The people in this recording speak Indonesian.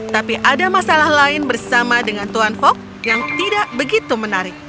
tapi ada masalah lain bersama dengan tuan fok yang tidak begitu menarik